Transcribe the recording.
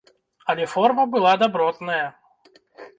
Але форма была дабротная!